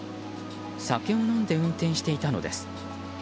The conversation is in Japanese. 酒を飲んで運転していたのです。